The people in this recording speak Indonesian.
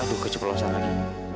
aduh keceplosan lagi